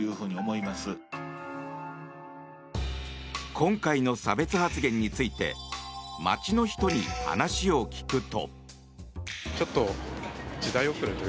今回の差別発言について街の人に話を聞くと。